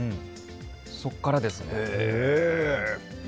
そこからですね。